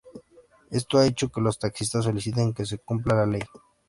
Esto ha hecho que los taxistas, soliciten que se cumpla la ley.